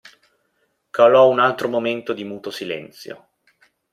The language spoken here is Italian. Calò un altro momento di muto silenzio.